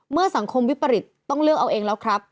เมื่อสังคมวิปริตต้องเลือกเอาเองแล้วครับ